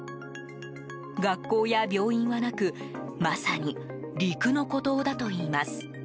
学校や病院はなくまさに陸の孤島だといいます。